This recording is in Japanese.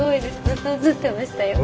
ずっと映ってましたよ。